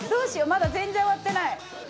まだ全然終わってない。